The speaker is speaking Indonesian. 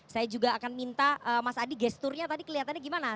saya juga akan minta mas adi gesturnya tadi kelihatannya gimana